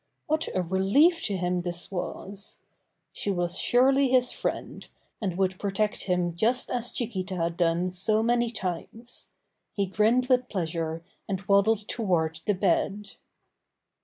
What a relief to him this was ! She was surely his friend, and would protect him just as Chi quita had done so many times. He grinned with pleasure, and waddled toward the bed.